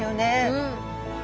うん。